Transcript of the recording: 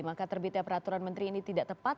maka terbitnya peraturan menteri ini tidak tepat